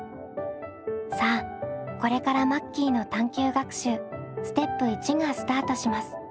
さあこれからマッキーの探究学習ステップ①がスタートします。